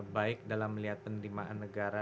baik dalam melihat penerimaan negara